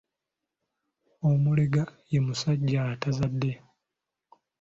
Omulega ye musajja atazadde.